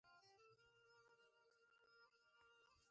د بېلګې په توګه یو فرد په پام کې نیسو.